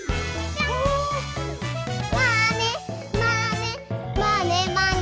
「まねまねまねまね」